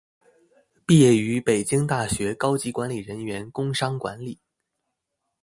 毕业于北京大学高级管理人员工商管理。